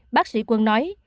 bác sĩ quân nói